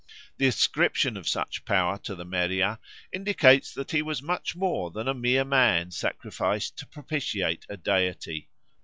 The ascription of such power to the Meriah indicates that he was much more than a mere man sacrificed to propitiate a deity.